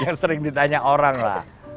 kan sering ditanya orang lah